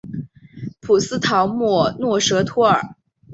普斯陶莫诺什托尔。